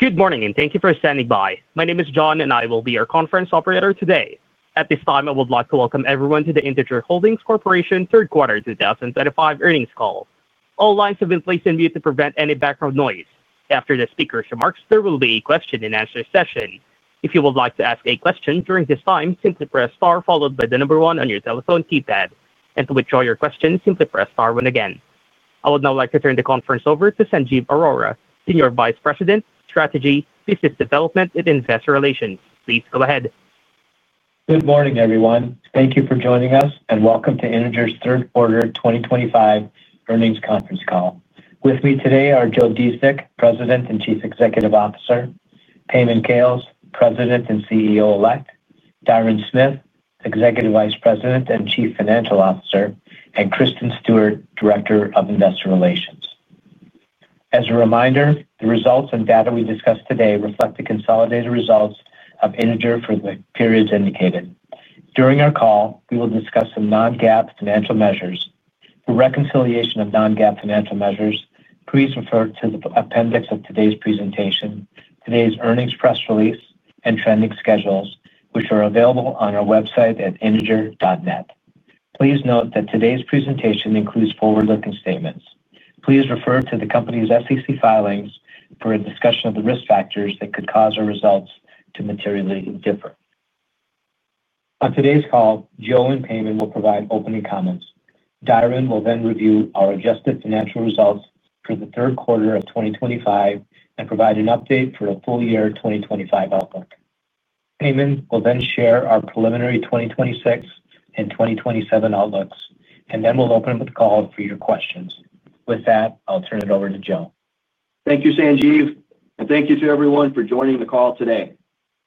Good morning and thank you for standing by. My name is John and I will be your conference operator today. At this time, I would like to welcome everyone to the Integer Holdings Corporation third quarter 2025 earnings call. All lines have been placed on mute to prevent any background noise. After the speakers' remarks, there will be a question and answer session. If you would like to ask a question during this time, simply press star followed by the number one on your telephone keypad. To withdraw your question, simply press star one again. I would now like to turn the conference over to Sanjiv Arora, Senior Vice President, Strategy, Business Development, and Investor Relations. Please go ahead. Good morning, everyone. Thank you for joining us and welcome to Integer's third quarter 2025 earnings conference call. With me today are Joe Dziedzic, President and Chief Executive Officer, Payman Khales, President and CEO-elect, Diron Smith, Executive Vice President and Chief Financial Officer, and Kristen Stewart, Director of Investor Relations. As a reminder, the results and data we discuss today reflect the consolidated results of Integer for the periods indicated. During our call, we will discuss some non-GAAP financial measures. For reconciliation of non-GAAP financial measures, please refer to the appendix of today's presentation, today's earnings press release, and trending schedules, which are available on our website at integer.net. Please note that today's presentation includes forward-looking statements. Please refer to the company's SEC filings for a discussion of the risk factors that could cause our results to materially differ. On today's call, Joe and Payman will provide opening comments. Diron will then review our adjusted financial results for the third quarter of 2025 and provide an update for a full year 2025 outlook. Payman will then share our preliminary 2026 and 2027 outlooks, and then we'll open up the call for your questions. With that, I'll turn it over to Joe. Thank you, Sanjiv, and thank you to everyone for joining the call today.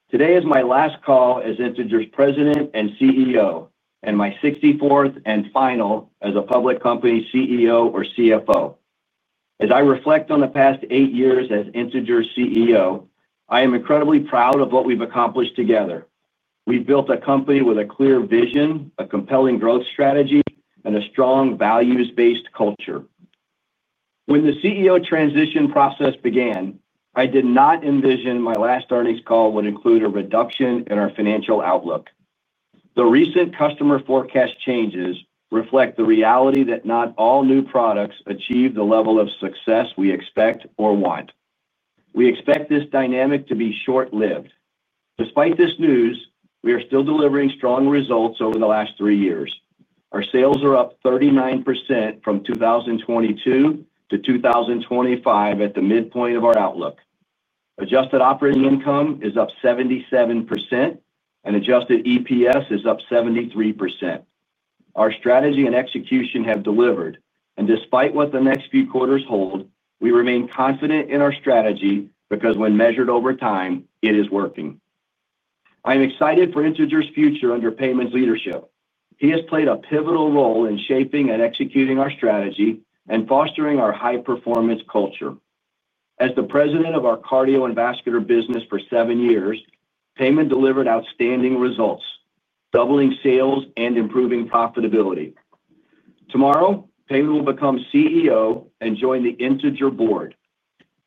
Today is my last call as Integer's President and CEO, and my 64th and final as a public company CEO or CFO. As I reflect on the past eight years as Integer's CEO, I am incredibly proud of what we've accomplished together. We've built a company with a clear vision, a compelling growth strategy, and a strong values-based culture. When the CEO transition process began, I did not envision my last earnings call would include a reduction in our financial outlook. The recent customer forecast changes reflect the reality that not all new products achieve the level of success we expect or want. We expect this dynamic to be short-lived. Despite this news, we are still delivering strong results over the last three years. Our sales are up 39% from 2022 to 2025 at the midpoint of our outlook. Adjusted operating income is up 77%, and adjusted EPS is up 73%. Our strategy and execution have delivered, and despite what the next few quarters hold, we remain confident in our strategy because when measured over time, it is working. I am excited for Integer's future under Payman's leadership. He has played a pivotal role in shaping and executing our strategy and fostering our high-performance culture. As the President of our Cardio and Vascular business for seven years, Payman delivered outstanding results, doubling sales and improving profitability. Tomorrow, Payman will become CEO and join the Integer board.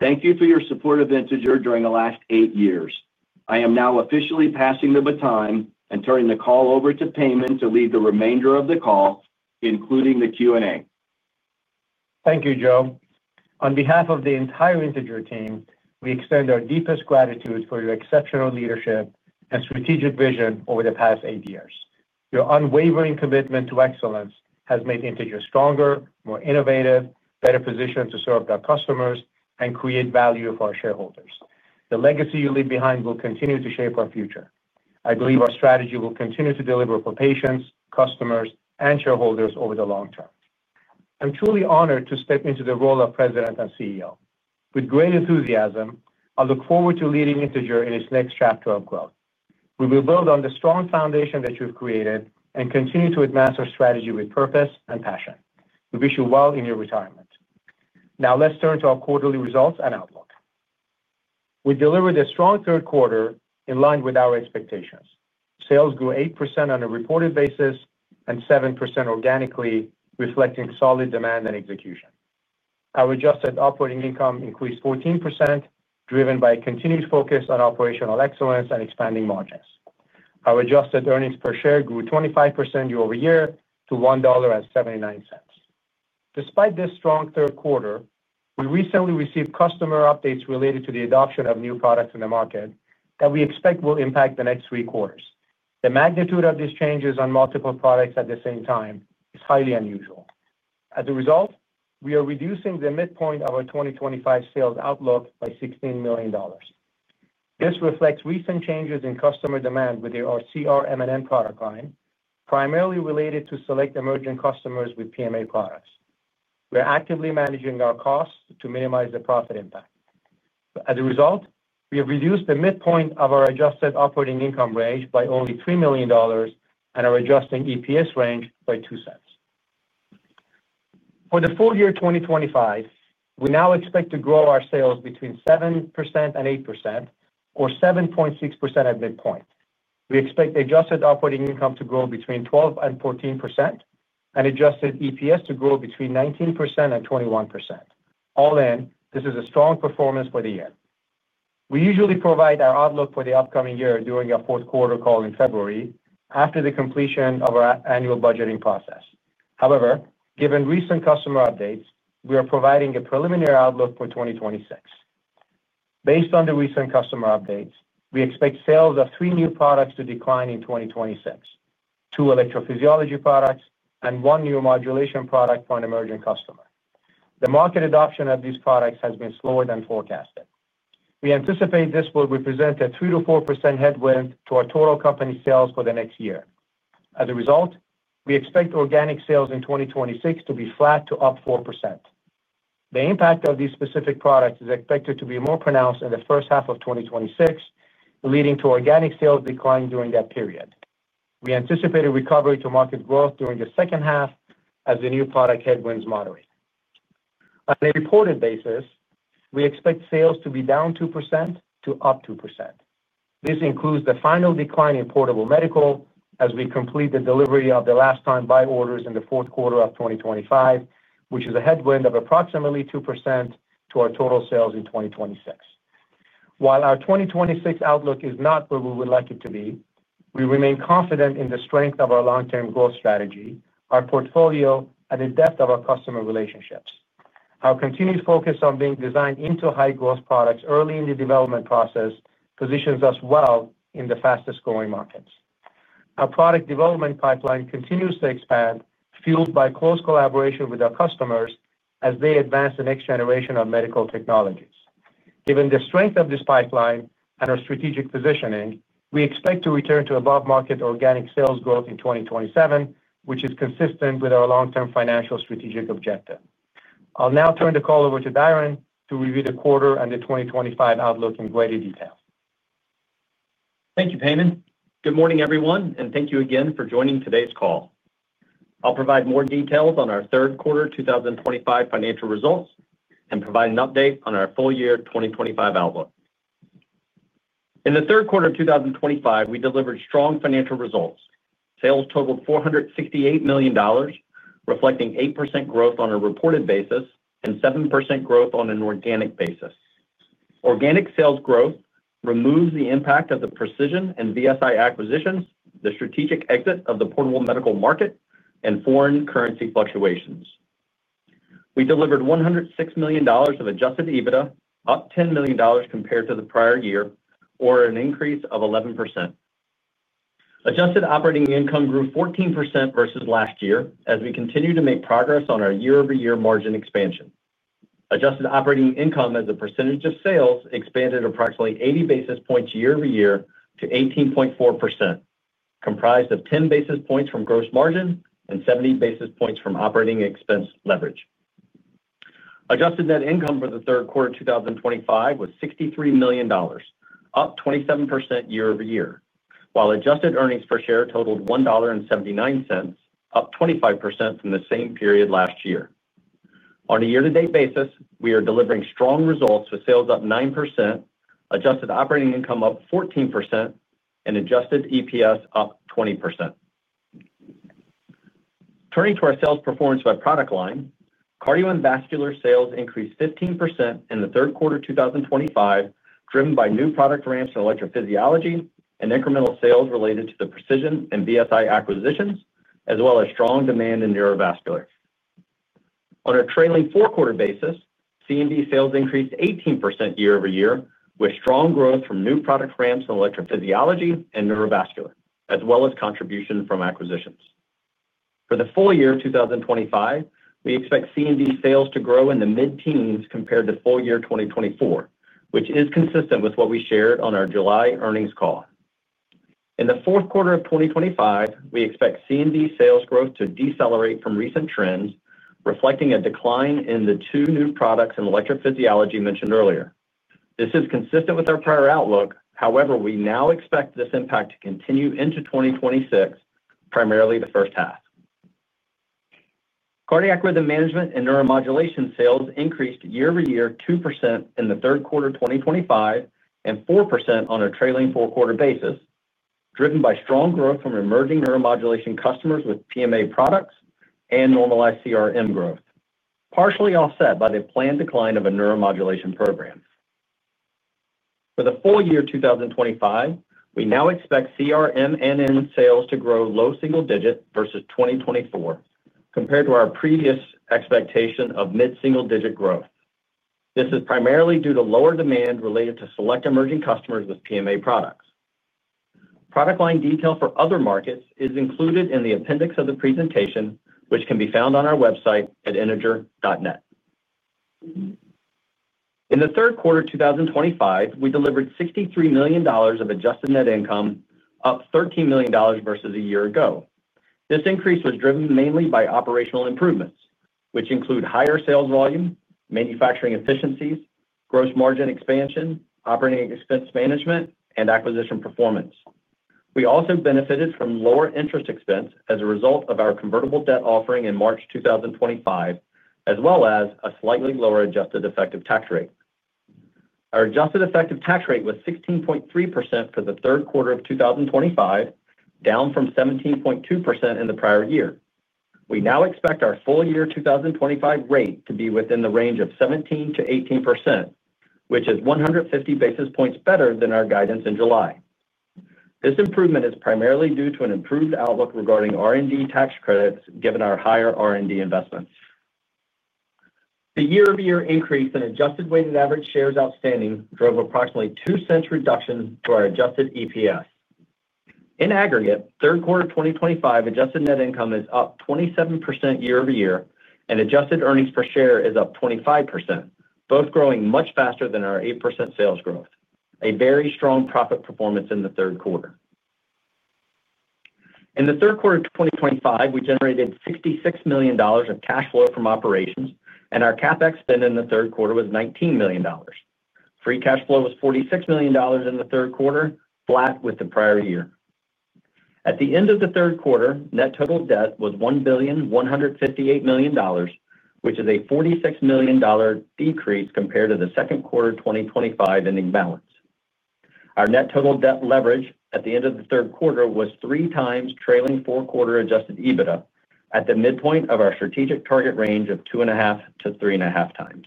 Thank you for your support of Integer during the last eight years. I am now officially passing the baton and turning the call over to Payman to lead the remainder of the call, including the Q&A. Thank you, Joe. On behalf of the entire Integer team, we extend our deepest gratitude for your exceptional leadership and strategic vision over the past eight years. Your unwavering commitment to excellence has made Integer stronger, more innovative, better positioned to serve our customers, and create value for our shareholders. The legacy you leave behind will continue to shape our future. I believe our strategy will continue to deliver for patients, customers, and shareholders over the long term. I'm truly honored to step into the role of President and CEO. With great enthusiasm, I look forward to leading Integer in its next chapter of growth. We will build on the strong foundation that you've created and continue to advance our strategy with purpose and passion. We wish you well in your retirement. Now, let's turn to our quarterly results and outlook. We delivered a strong third quarter in line with our expectations. Sales grew 8% on a reported basis and 7% organically, reflecting solid demand and execution. Our adjusted operating income increased 14%, driven by a continued focus on operational excellence and expanding margins. Our adjusted EPS grew 25% year-over-year to $1.79. Despite this strong third quarter, we recently received customer updates related to the adoption of new products in the market that we expect will impact the next three quarters. The magnitude of these changes on multiple products at the same time is highly unusual. As a result, we are reducing the midpoint of our 2025 sales outlook by $16 million. This reflects recent changes in customer demand within our CRM and M product line, primarily related to select emerging customers with PMA products. We are actively managing our costs to minimize the profit impact. As a result, we have reduced the midpoint of our adjusted operating income range by only $3 million and our adjusted EPS range by $0.02. For the full year 2025, we now expect to grow our sales between 7% and 8%, or 7.6% at midpoint. We expect the adjusted operating income to grow between 12% and 14%, and adjusted EPS to grow between 19% and 21%. All in, this is a strong performance for the year. We usually provide our outlook for the upcoming year during a fourth quarter call in February, after the completion of our annual budgeting process. However, given recent customer updates, we are providing a preliminary outlook for 2026. Based on the recent customer updates, we expect sales of three new products to decline in 2026: two electrophysiology products and one neuromodulation product for an emerging customer. The market adoption of these products has been slower than forecasted. We anticipate this will represent a 3% to 4% headwind to our total company sales for the next year. As a result, we expect organic sales in 2026 to be flat to up 4%. The impact of these specific products is expected to be more pronounced in the first half of 2026, leading to organic sales declining during that period. We anticipate a recovery to market growth during the second half as the new product headwinds moderate. On a reported basis, we expect sales to be down 2% to up 2%. This includes the final decline in portable medical as we complete the delivery of the last time-buy orders in the fourth quarter of 2025, which is a headwind of approximately 2% to our total sales in 2026. While our 2026 outlook is not where we would like it to be, we remain confident in the strength of our long-term growth strategy, our portfolio, and the depth of our customer relationships. Our continued focus on being designed into high-growth products early in the development process positions us well in the fastest growing markets. Our product development pipeline continues to expand, fueled by close collaboration with our customers as they advance the next generation of medical technologies. Given the strength of this pipeline and our strategic positioning, we expect to return to above-market organic sales growth in 2027, which is consistent with our long-term financial strategic objective. I'll now turn the call over to Diron to review the quarter and the 2025 outlook in greater detail. Thank you, Payman. Good morning, everyone, and thank you again for joining today's call. I'll provide more details on our third quarter 2025 financial results and provide an update on our full year 2025 outlook. In the third quarter 2025, we delivered strong financial results. Sales totaled $468 million, reflecting 8% growth on a reported basis and 7% growth on an organic basis. Organic sales growth removes the impact of the Precision Coating and BSI acquisitions, the strategic exit of the portable medical market, and foreign currency fluctuations. We delivered $106 million of adjusted EBITDA, up $10 million compared to the prior year, or an increase of 11%. Adjusted operating income grew 14% versus last year as we continue to make progress on our year-over-year margin expansion. Adjusted operating income as a percentage of sales expanded approximately 80 basis points year-over-year to 18.4%, comprised of 10 basis points from gross margin and 70 basis points from operating expense leverage. Adjusted net income for the third quarter 2025 was $63 million, up 27% year-over-year, while adjusted EPS totaled $1.79, up 25% from the same period last year. On a year-to-date basis, we are delivering strong results with sales up 9%, adjusted operating income up 14%, and adjusted EPS up 20%. Turning to our sales performance by product line, cardio and vascular sales increased 15% in the third quarter 2025, driven by new product ramps in electrophysiology and incremental sales related to the Precision Coating and BSI acquisitions, as well as strong demand in neurovascular. On a trailing four-quarter basis, cardiac rhythm management solutions sales increased 18% year-over-year with strong growth from new product ramps in electrophysiology and neurovascular, as well as contribution from acquisitions. For the full year 2025, we expect cardiac rhythm management solutions sales to grow in the mid-teens compared to full year 2024, which is consistent with what we shared on our July earnings call. In the fourth quarter of 2025, we expect cardiac rhythm management solutions sales growth to decelerate from recent trends, reflecting a decline in the two new products in electrophysiology mentioned earlier. This is consistent with our prior outlook; however, we now expect this impact to continue into 2026, primarily the first half. Cardiac rhythm management and neuromodulation sales increased year-over-year 2% in the third quarter 2025 and 4% on a trailing four-quarter basis, driven by strong growth from emerging neuromodulation customers with PMA products and normalized CRM growth, partially offset by the planned decline of a neuromodulation program. For the full year 2025, we now expect CRM and M sales to grow low single digit versus 2024, compared to our previous expectation of mid-single digit growth. This is primarily due to lower demand related to select emerging customers with PMA products. Product line detail for other markets is included in the appendix of the presentation, which can be found on our website at integer.net. In the third quarter 2025, we delivered $63 million of adjusted net income, up $13 million versus a year ago. This increase was driven mainly by operational improvements, which include higher sales volume, manufacturing efficiencies, gross margin expansion, operating expense management, and acquisition performance. We also benefited from lower interest expense as a result of our convertible debt offering in March 2025, as well as a slightly lower adjusted effective tax rate. Our adjusted effective tax rate was 16.3% for the third quarter of 2025, down from 17.2% in the prior year. We now expect our full year 2025 rate to be within the range of 17%-18%, which is 150 basis points better than our guidance in July. This improvement is primarily due to an improved outlook regarding R&D tax credits, given our higher R&D investments. The year-over-year increase in adjusted weighted average shares outstanding drove approximately two cents reduction to our adjusted EPS. In aggregate, third quarter 2025 adjusted net income is up 27% year-over-year, and adjusted earnings per share is up 25%, both growing much faster than our 8% sales growth. A very strong profit performance in the third quarter. In the third quarter 2025, we generated $66 million of cash flow from operations, and our CapEx spend in the third quarter was $19 million. Free cash flow was $46 million in the third quarter, flat with the prior year. At the end of the third quarter, net total debt was $1,158 million, which is a $46 million decrease compared to the second quarter 2025 ending balance. Our net total debt leverage at the end of the third quarter was three times trailing four-quarter adjusted EBITDA at the midpoint of our strategic target range of two and a half to three and a half times.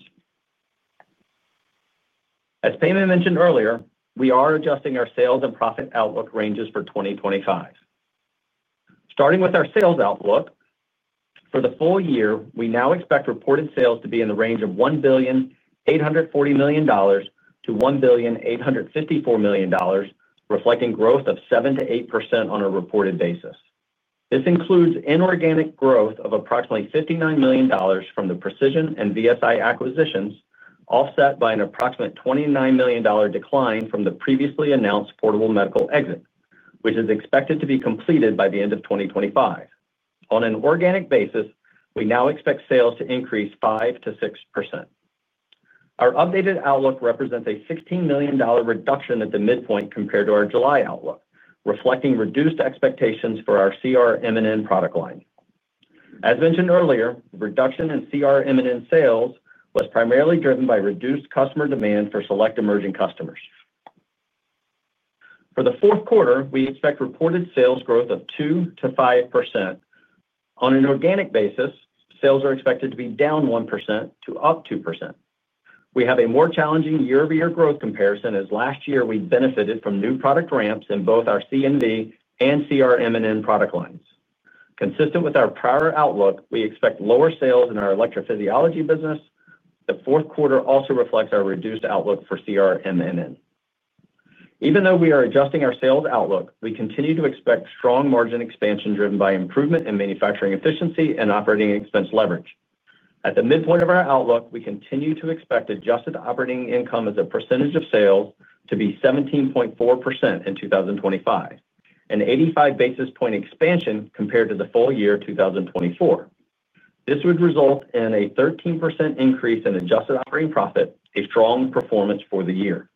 As Payman mentioned earlier, we are adjusting our sales and profit outlook ranges for 2025. Starting with our sales outlook, for the full year, we now expect reported sales to be in the range of $1.840 billion-$1.854 billion, reflecting growth of 7% to 8% on a reported basis. This includes inorganic growth of approximately $59 million from the Precision Coating and BSI acquisitions, offset by an approximate $29 million decline from the previously announced portable medical exit, which is expected to be completed by the end of 2025. On an organic basis, we now expect sales to increase 5%-6%. Our updated outlook represents a $16 million reduction at the midpoint compared to our July outlook, reflecting reduced expectations for our cardiac rhythm management solutions and miniaturized active implantable medical devices product line. As mentioned earlier, reduction in cardiac rhythm management solutions and miniaturized active implantable medical devices sales was primarily driven by reduced customer demand for select emerging customers. For the fourth quarter, we expect reported sales growth of 2% to 5%. On an organic basis, sales are expected to be down 1% to up 2%. We have a more challenging year-over-year growth comparison as last year we benefited from new product ramps in both our cardio and vascular solutions and cardiac rhythm management solutions and miniaturized active implantable medical devices product lines. Consistent with our prior outlook, we expect lower sales in our electrophysiology business. The fourth quarter also reflects our reduced outlook for cardiac rhythm management solutions and miniaturized active implantable medical devices. Even though we are adjusting our sales outlook, we continue to expect strong margin expansion driven by improvement in manufacturing efficiency and operating expense leverage. At the midpoint of our outlook, we continue to expect adjusted operating income as a percentage of sales to be 17.4% in 2025, an 85 basis point expansion compared to the full year 2024. This would result in a 13% increase in adjusted operating profit, a strong performance for the year.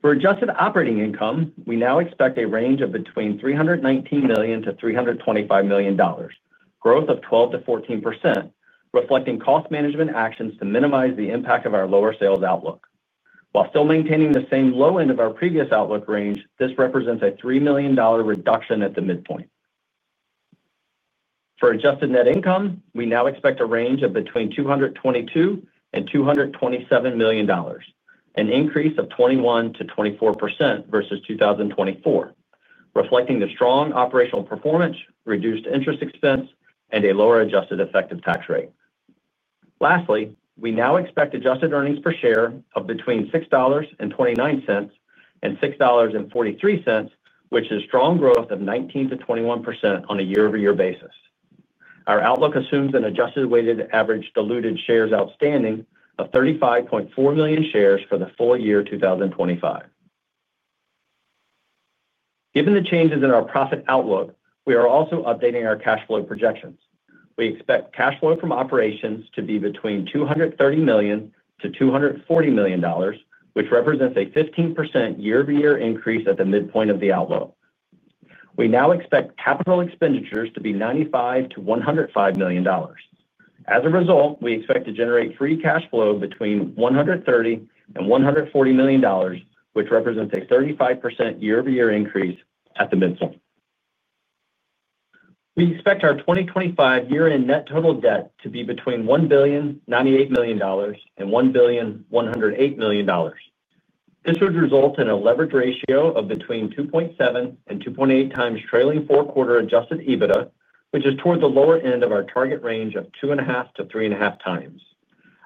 For adjusted operating income, we now expect a range of between $319 million-$325 million, growth of 12% to 14%, reflecting cost management actions to minimize the impact of our lower sales outlook. While still maintaining the same low end of our previous outlook range, this represents a $3 million reduction at the midpoint. For adjusted net income, we now expect a range of between $222 million and $227 million, an increase of 21% to 24% versus 2024, reflecting the strong operational performance, reduced interest expense, and a lower adjusted effective tax rate. Lastly, we now expect adjusted EPS of between $6.29 and $6.43, which is strong growth of 19% to 21% on a year-over-year basis. Our outlook assumes an adjusted weighted average diluted shares outstanding of 35.4 million shares for the full year 2025. Given the changes in our profit outlook, we are also updating our cash flow projections. We expect cash flow from operations to be between $230 million-$240 million, which represents a 15% year-over-year increase at the midpoint of the outlook. We now expect capital expenditures to be $95 million-$105 million. As a result, we expect to generate free cash flow between $130 million and $140 million, which represents a 35% year-over-year increase at the midpoint. We expect our 2025 year-end net total debt to be between $1.098 billion and $1.108 billion. This would result in a leverage ratio of between 2.7 and 2.8x trailing four-quarter adjusted EBITDA, which is toward the lower end of our target range of 2.5 to 3.5x.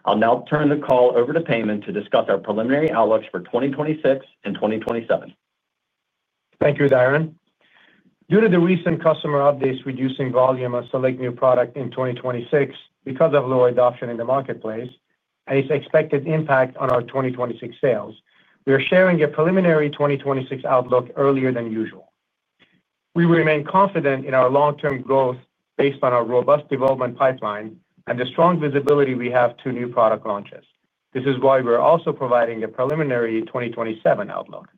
I'll now turn the call over to Payman to discuss our preliminary outlooks for 2026 and 2027. Thank you, Diron. Due to the recent customer updates reducing volume of select new products in 2026 because of low adoption in the marketplace and its expected impact on our 2026 sales, we are sharing a preliminary 2026 outlook earlier than usual. We remain confident in our long-term growth based on our robust development pipeline and the strong visibility we have to new product launches. This is why we're also providing a preliminary 2027 outlook.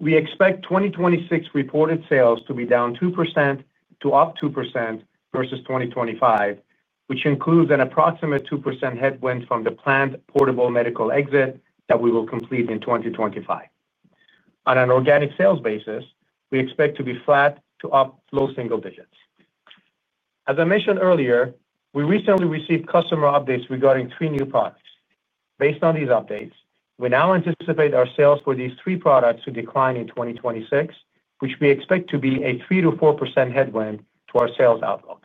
We expect 2026 reported sales to be down 2% to up 2% versus 2025, which includes an approximate 2% headwind from the planned portable medical exit that we will complete in 2025. On an organic sales basis, we expect to be flat to up low single digits. As I mentioned earlier, we recently received customer updates regarding three new products. Based on these updates, we now anticipate our sales for these three products to decline in 2026, which we expect to be a 3%-4% headwind to our sales outlook.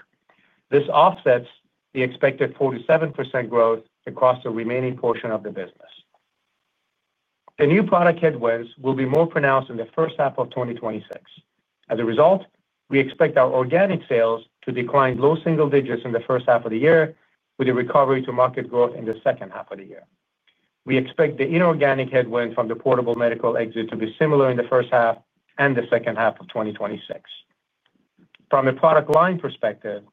This offsets the expected 4% to 7% growth across the remaining portion of the business. The new product headwinds will be more pronounced in the first half of 2026. As a result, we expect our organic sales to decline low single digits in the first half of the year, with a recovery to market growth in the second half of the year. We expect the inorganic headwind from the portable medical exit to be similar in the first half and the second half of 2026. From a product line perspective,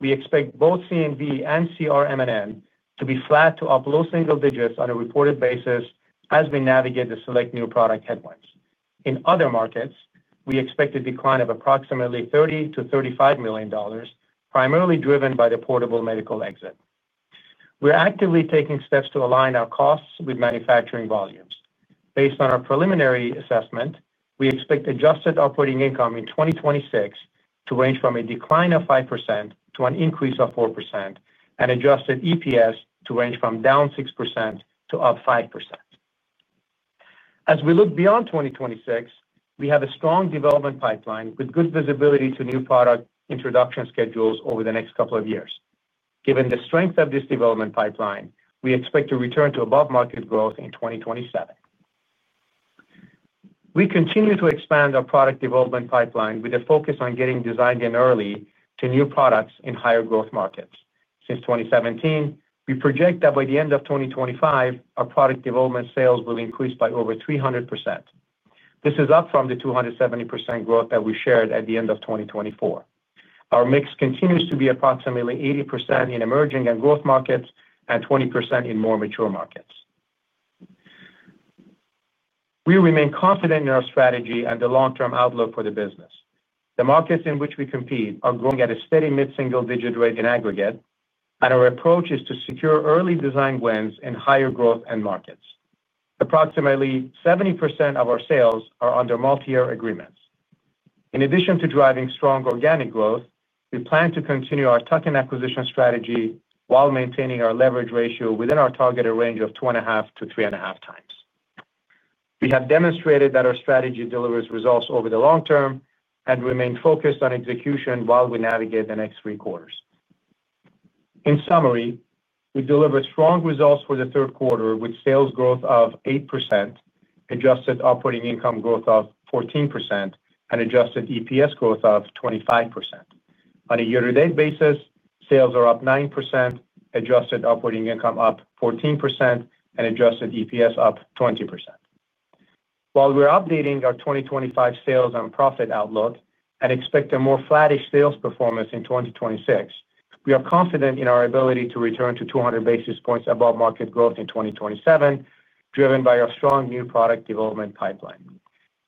we expect both CMD and CRM and M to be flat to up low single digits on a reported basis as we navigate the select new product headwinds. In other markets, we expect a decline of approximately $30 million-$35 million, primarily driven by the portable medical exit. We're actively taking steps to align our costs with manufacturing volumes. Based on our preliminary assessment, we expect adjusted operating income in 2026 to range from a decline of 5% to an increase of 4%, and adjusted EPS to range from down 6% to up 5%. As we look beyond 2026, we have a strong development pipeline with good visibility to new product introduction schedules over the next couple of years. Given the strength of this development pipeline, we expect to return to above-market growth in 2027. We continue to expand our product development pipeline with a focus on getting designed in early to new products in higher growth markets. Since 2017, we project that by the end of 2025, our product development sales will increase by over 300%. This is up from the 270% growth that we shared at the end of 2024. Our mix continues to be approximately 80% in emerging and growth markets and 20% in more mature markets. We remain confident in our strategy and the long-term outlook for the business. The markets in which we compete are growing at a steady mid-single digit rate in aggregate, and our approach is to secure early design wins in higher growth end markets. Approximately 70% of our sales are under multi-year agreements. In addition to driving strong organic growth, we plan to continue our token acquisition strategy while maintaining our leverage ratio within our targeted range of 2.5 to 3.5x. We have demonstrated that our strategy delivers results over the long term and remain focused on execution while we navigate the next three quarters. In summary, we deliver strong results for the third quarter with sales growth of 8%, adjusted operating income growth of 14%, and adjusted EPS growth of 25%. On a year-to-date basis, sales are up 9%, adjusted operating income up 14%, and adjusted EPS up 20%. While we're updating our 2025 sales and profit outlook and expect a more flattish sales performance in 2026, we are confident in our ability to return to 200 basis points above market growth in 2027, driven by our strong new product development pipeline.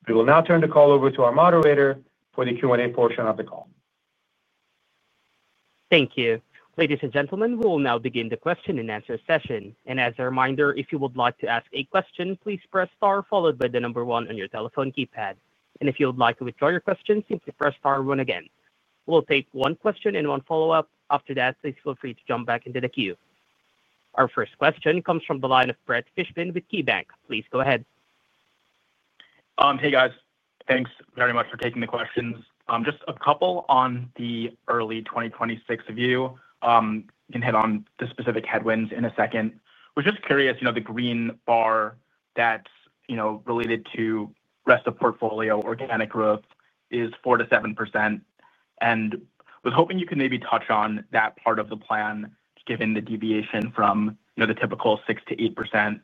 We will now turn the call over to our moderator for the Q&A portion of the call. Thank you. Ladies and gentlemen, we will now begin the question and answer session. As a reminder, if you would like to ask a question, please press star followed by the number one on your telephone keypad. If you would like to withdraw your question, simply press star one again. We'll take one question and one follow-up. After that, please feel free to jump back into the queue. Our first question comes from the line of Brett Fishman with KeyBanc. Please go ahead. Hey, guys. Thanks very much for taking the questions. Just a couple on the early 2026 view. We can hit on the specific headwinds in a second. I was just curious, the green bar that's related to the rest of the portfolio organic growth is 4% to 7%. I was hoping you could maybe touch on that part of the plan, given the deviation from the typical 6%-8%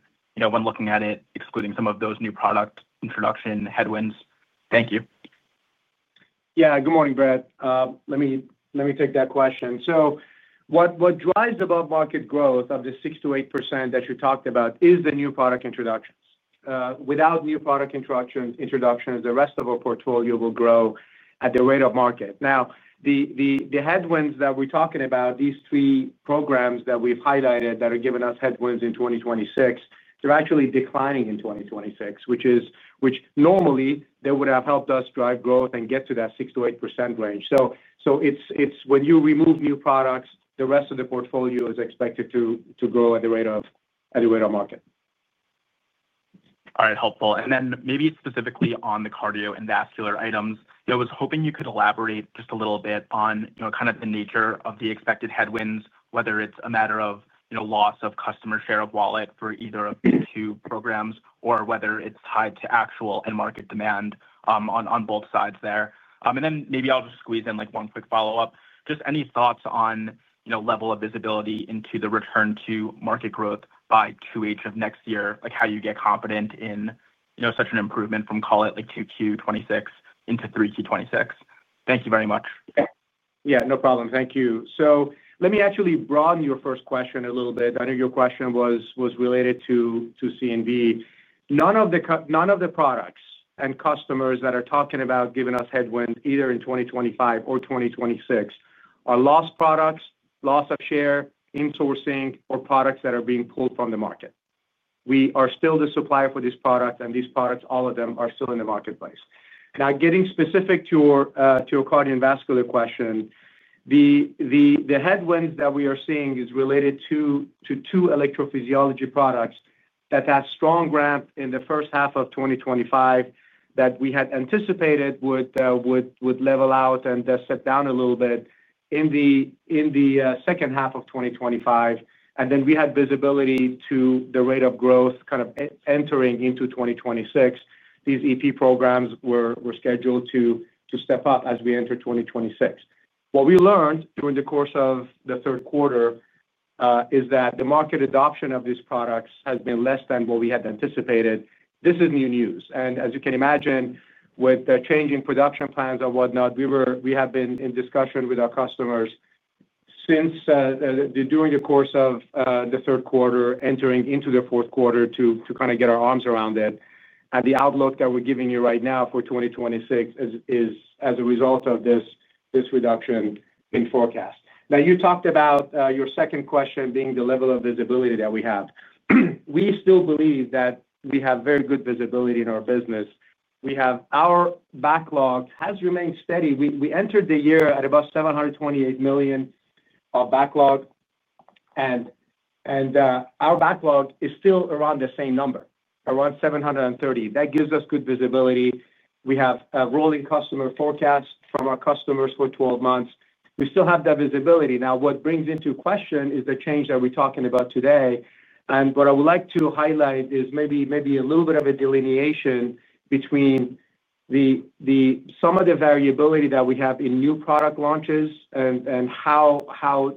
when looking at it, excluding some of those new product introduction headwinds. Thank you. Yeah, good morning, Brett. Let me take that question. What drives above-market growth of the 6% to 8% that you talked about is the new product introductions. Without new product introductions, the rest of our portfolio will grow at the rate of market. Now, the headwinds that we're talking about, these three programs that we've highlighted that are giving us headwinds in 2026, they're actually declining in 2026, which normally they would have helped us drive growth and get to that 6% to 8% range. It's when you remove new products, the rest of the portfolio is expected to grow at the rate of market. All right, helpful. Maybe specifically on the cardio and vascular items, I was hoping you could elaborate just a little bit on the nature of the expected headwinds, whether it's a matter of loss of customer share of wallet for either of these two programs or whether it's tied to actual end market demand on both sides there. Maybe I'll just squeeze in one quick follow-up. Any thoughts on level of visibility into the return to market growth by Q4 of next year, like how you get confident in such an improvement from, call it, like Q2 2026 into Q4 2026. Thank you very much. Yeah, no problem. Thank you. Let me actually broaden your first question a little bit. I know your question was related to CMD. None of the products and customers that are talking about giving us headwinds either in 2025 or 2026 are lost products, loss of share, insourcing, or products that are being pulled from the market. We are still the supplier for these products, and these products, all of them, are still in the marketplace. Now, getting specific to your cardiovascular question, the headwinds that we are seeing are related to two electrophysiology products that had a strong ramp in the first half of 2025 that we had anticipated would level out and just sit down a little bit in the second half of 2025. We had visibility to the rate of growth kind of entering into 2026. These EP programs were scheduled to step up as we enter 2026. What we learned during the course of the third quarter is that the market adoption of these products has been less than what we had anticipated. This is new news. As you can imagine, with the changing production plans and whatnot, we have been in discussion with our customers since during the course of the third quarter entering into the fourth quarter to kind of get our arms around it. The outlook that we're giving you right now for 2026 is as a result of this reduction in forecast. You talked about your second question being the level of visibility that we have. We still believe that we have very good visibility in our business. Our backlog has remained steady. We entered the year at about $728 million of backlog, and our backlog is still around the same number, around $730 million. That gives us good visibility. We have a rolling customer forecast from our customers for 12 months. We still have that visibility. What brings into question is the change that we're talking about today. What I would like to highlight is maybe a little bit of a delineation between some of the variability that we have in new product launches and how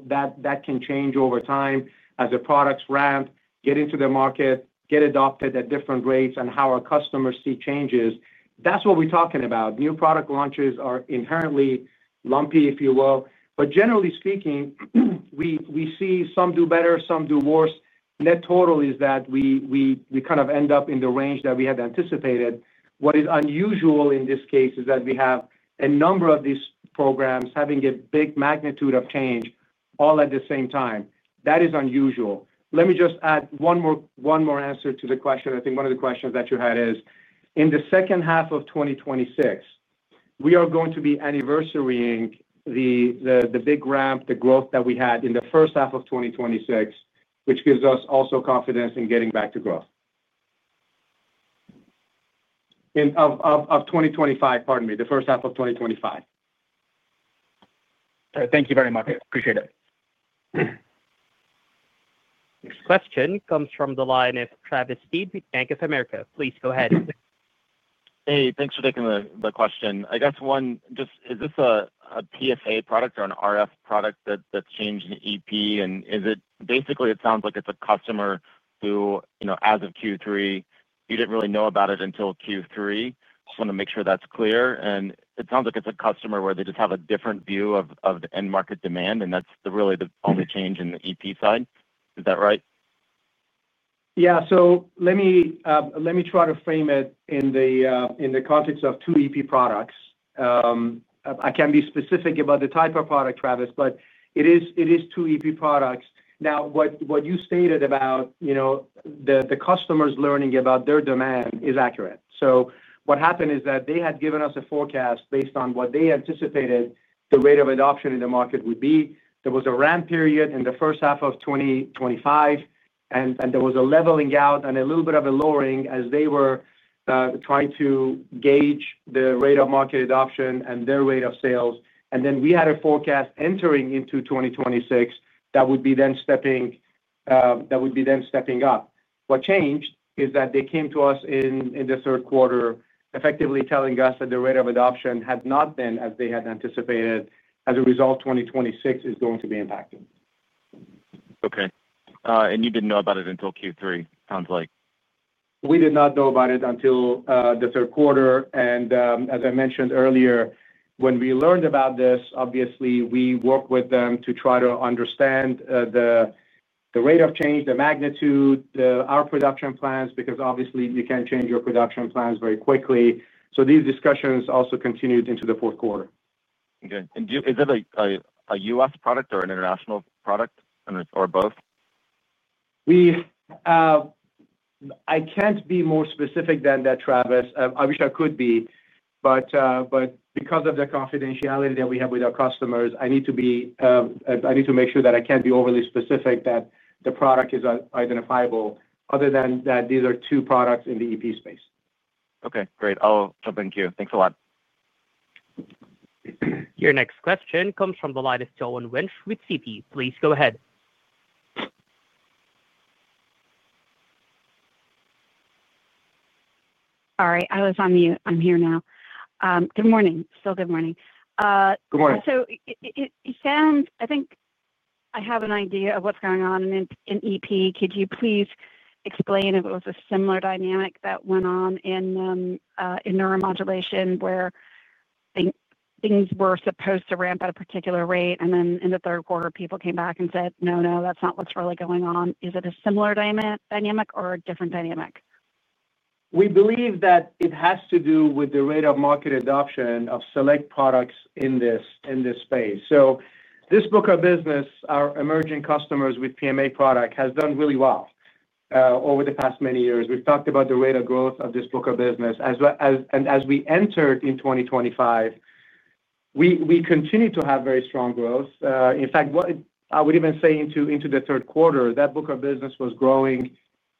that can change over time as the products ramp, get into the market, get adopted at different rates, and how our customers see changes. That's what we're talking about. New product launches are inherently lumpy, if you will. Generally speaking, we see some do better, some do worse. Net total is that we kind of end up in the range that we had anticipated. What is unusual in this case is that we have a number of these programs having a big magnitude of change all at the same time. That is unusual. Let me just add one more answer to the question. I think one of the questions that you had is, in the second half of 2026, we are going to be anniversarying the big ramp, the growth that we had in the first half of 2026, which gives us also confidence in getting back to growth. In 2025, pardon me, the first half of 2025. All right. Thank you very much. Appreciate it. Next question comes from the line of Travis Steed with Bank of America. Please go ahead. Hey, thanks for taking the question. I guess one, just is this a PSA product or an RF product that's changed in EP? Is it basically, it sounds like it's a customer who, as of Q3, you didn't really know about it until Q3. I just want to make sure that's clear. It sounds like it's a customer where they just have a different view of the end market demand, and that's really the only change in the EP side. Is that right? Yeah. Let me try to frame it in the context of two electrophysiology products. I can be specific about the type of product, Travis, but it is two electrophysiology products. What you stated about the customers learning about their demand is accurate. What happened is that they had given us a forecast based on what they anticipated the rate of adoption in the market would be. There was a ramp period in the first half of 2025, and there was a leveling out and a little bit of a lowering as they were trying to gauge the rate of market adoption and their rate of sales. We had a forecast entering into 2026 that would be stepping up. What changed is that they came to us in the third quarter, effectively telling us that the rate of adoption had not been as they had anticipated. As a result, 2026 is going to be impacting. Okay. You didn't know about it until Q3, it sounds like. We did not know about it until the third quarter. As I mentioned earlier, when we learned about this, we worked with them to try to understand the rate of change, the magnitude, our production plans, because obviously, you can't change your production plans very quickly. These discussions also continued into the fourth quarter. Okay. Do you, is it a U.S. product or an international product or both? I can't be more specific than that, Travis. I wish I could be. Because of the confidentiality that we have with our customers, I need to make sure that I can't be overly specific that the product is identifiable. Other than that, these are two products in the EP space. Okay. Great. I'll jump in queue. Thanks a lot. Your next question comes from the line of Joanne Wuensch with Citi. Please go ahead. Sorry, I was on mute. I'm here now. Good morning. Still good morning. Good morning. I think I have an idea of what's going on in EP. Could you please explain if it was a similar dynamic that went on in neuromodulation where I think things were supposed to ramp at a particular rate, and then in the third quarter, people came back and said, "No, no, that's not what's really going on." Is it a similar dynamic or a different dynamic? We believe that it has to do with the rate of market adoption of select products in this space. This book of business, our emerging customers with PMA product, has done really well over the past many years. We've talked about the rate of growth of this book of business as well as as we entered in 2025. We continue to have very strong growth. In fact, what I would even say is into the third quarter, that book of business was growing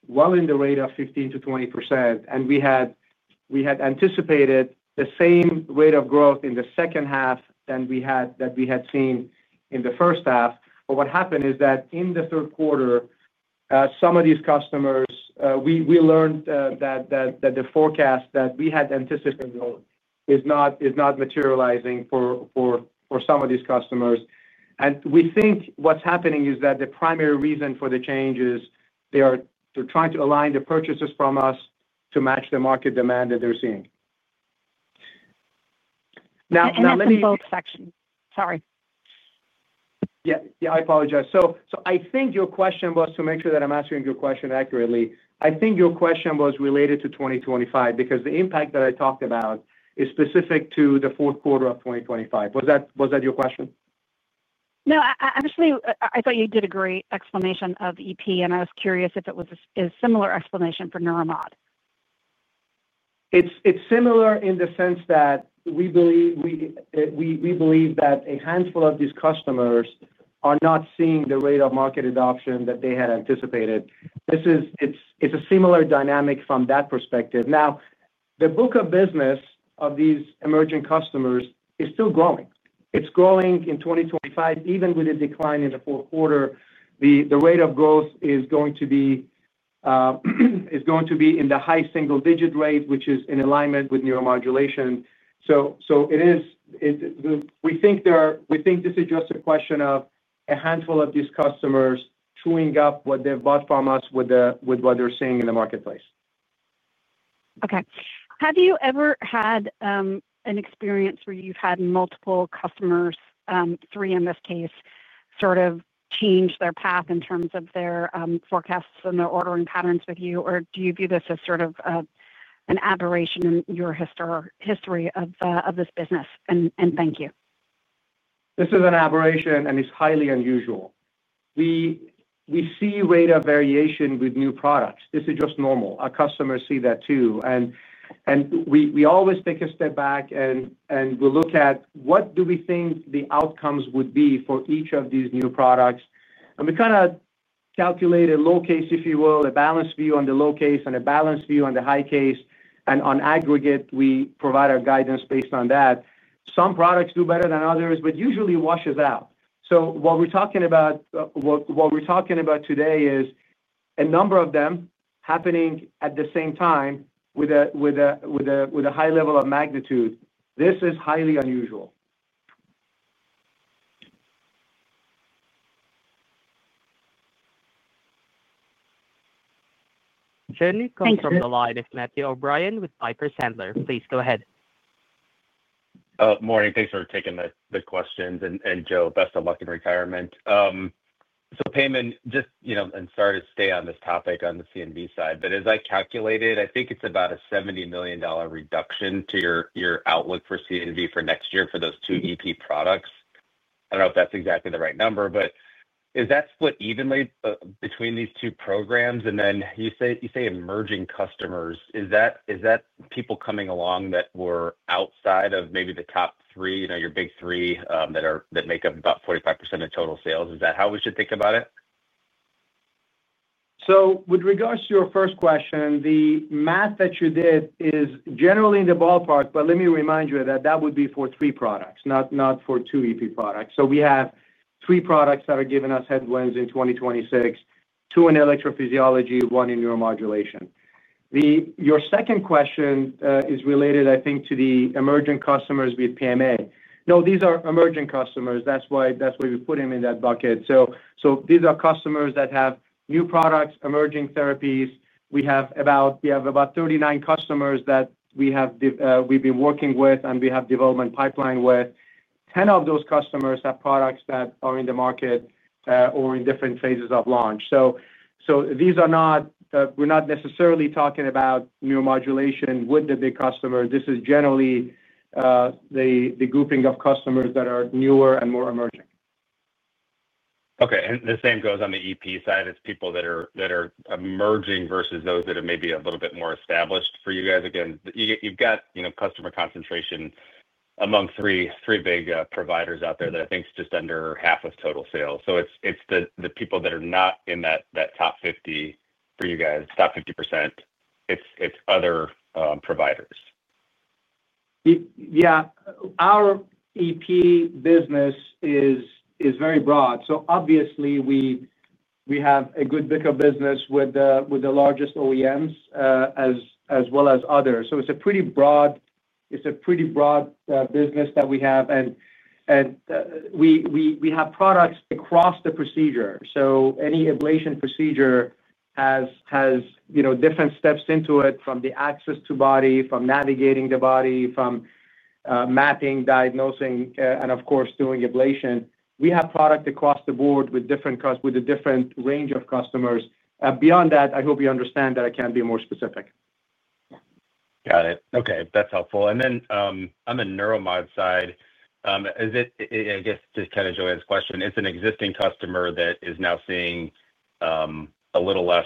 well in the rate of 15% to 20%. We had anticipated the same rate of growth in the second half that we had seen in the first half. What happened is that in the third quarter, some of these customers, we learned that the forecast that we had anticipated is not materializing for some of these customers. We think what's happening is that the primary reason for the change is they are trying to align the purchases from us to match the market demand that they're seeing. Now, let me. Section. Sorry. Yeah, I apologize. I think your question was to make sure that I'm asking your question accurately. I think your question was related to 2025 because the impact that I talked about is specific to the fourth quarter of 2025. Was that your question? No, I actually thought you did a great explanation of electrophysiology, and I was curious if it was a similar explanation for neuromodulation. It's similar in the sense that we believe that a handful of these customers are not seeing the rate of market adoption that they had anticipated. It's a similar dynamic from that perspective. Now, the book of business of these emerging customers is still growing. It's growing in 2025. Even with a decline in the fourth quarter, the rate of growth is going to be in the high single-digit rate, which is in alignment with neuromodulation. It is, we think, just a question of a handful of these customers chewing up what they've bought from us with what they're seeing in the marketplace. Okay. Have you ever had an experience where you've had multiple customers, three in this case, sort of change their path in terms of their forecasts and their ordering patterns with you? Do you view this as sort of an aberration in your history of this business? Thank you. This is an aberration, and it's highly unusual. We see rate of variation with new products. This is just normal. Our customers see that too. We always take a step back and look at what do we think the outcomes would be for each of these new products. We kind of calculate a low case, if you will, a balanced view on the low case, and a balanced view on the high case. On aggregate, we provide our guidance based on that. Some products do better than others, but usually it washes out. What we're talking about today is a number of them happening at the same time with a high level of magnitude. This is highly unusual. you come from the line of Matthew O'Brien with Piper Sandler. Please go ahead. Morning. Thanks for taking the questions. Joe, best of luck in retirement. Payman, just you know, sorry to stay on this topic on the CMD side, but as I calculated, I think it's about a $70 million reduction to your outlook for CMD for next year for those two EP products. I don't know if that's exactly the right number, but is that split evenly between these two programs? You say emerging customers. Is that people coming along that were outside of maybe the top three, you know, your big three that make up about 45% of total sales? Is that how we should think about it? With regards to your first question, the math that you did is generally in the ballpark, but let me remind you that would be for three products, not for two electrophysiology products. We have three products that are giving us headwinds in 2026, two in electrophysiology, one in neuromodulation. Your second question is related, I think, to the emerging customers with PMA. No, these are emerging customers. That's why we put them in that bucket. These are customers that have new products, emerging therapies. We have about 39 customers that we have been working with and we have a development pipeline with. 10 of those customers have products that are in the market or in different phases of launch. These are not necessarily talking about neuromodulation with the big customer. This is generally the grouping of customers that are newer and more emerging. Okay. The same goes on the EP side. It's people that are emerging versus those that are maybe a little bit more established for you guys. You've got customer concentration amongst three big providers out there that I think is just under half of total sales. It's the people that are not in that top 50% for you guys, top 50%. It's other providers. Yeah. Our EP business is very broad. Obviously, we have a good bit of business with the largest OEMs, as well as others. It's a pretty broad business that we have. We have products across the procedure. Any ablation procedure has different steps to it, from the access to body, from navigating the body, from mapping, diagnosing, and of course, doing ablation. We have product across the board with different customers with a different range of customers. Beyond that, I hope you understand that I can't be more specific. Got it. Okay. That's helpful. On the neuromod side, is it, I guess to kind of join this question, an existing customer that is now seeing a little less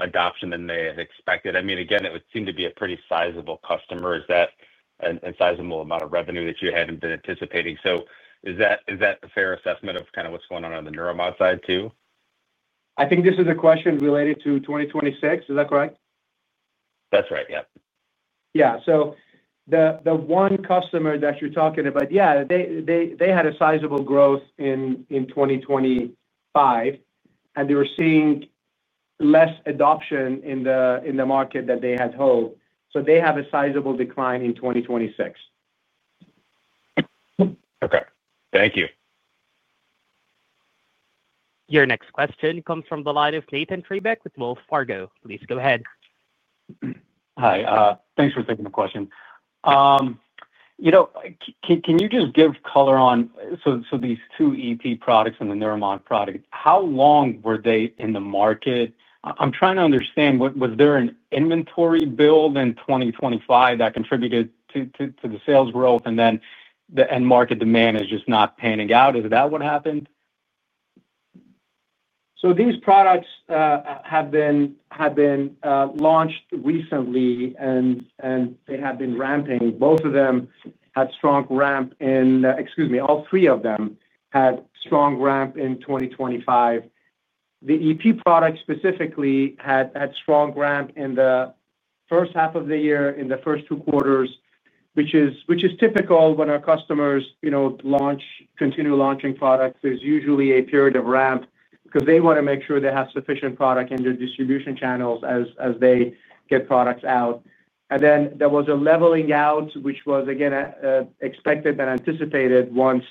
adoption than they expected? It would seem to be a pretty sizable customer. Is that a sizable amount of revenue that you hadn't been anticipating? Is that a fair assessment of what's going on on the neuromod side too? I think this is a question related to 2026. Is that correct? That's right, yeah. Yeah. The one customer that you're talking about, yeah, they had a sizable growth in 2025, and they were seeing less adoption in the market than they had hoped. They have a sizable decline in 2026. Okay, thank you. Your next question comes from the line of Nathan Treybeck with Wells Fargo. Please go ahead. Hi. Thanks for taking the question. Can you just give color on these two electrophysiology products and the neuromodulation product, how long were they in the market? I'm trying to understand, was there an inventory build in 2025 that contributed to the sales growth and then the end market demand is just not panning out? Is that what happened? These products have been launched recently, and they have been ramping. All three of them had strong ramp in 2025. The EP product specifically had strong ramp in the first half of the year, in the first two quarters, which is typical when our customers continue launching products. There's usually a period of ramp because they want to make sure they have sufficient product in their distribution channels as they get products out. There was a leveling out, which was expected and anticipated once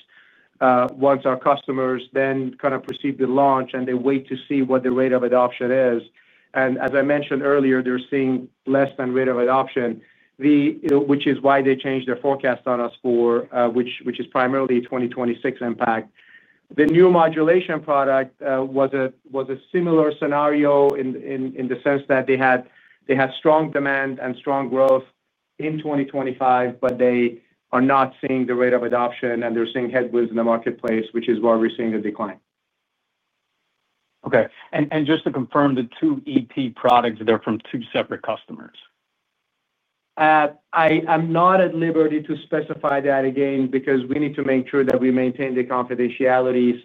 our customers then proceed to launch and they wait to see what the rate of adoption is. As I mentioned earlier, they're seeing less than rate of adoption, which is why they changed their forecast on us, which is primarily a 2026 impact. The neuromodulation product was a similar scenario in the sense that they had strong demand and strong growth in 2025, but they are not seeing the rate of adoption and they're seeing headwinds in the marketplace, which is why we're seeing the decline. Okay. Just to confirm, the two EP products, they're from two separate customers. I'm not at liberty to specify that again because we need to make sure that we maintain the confidentiality.